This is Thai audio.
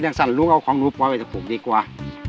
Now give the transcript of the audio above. ถ้ายังสั่นลูกเอาของหนูป่อยไว้จากผมดีกว่า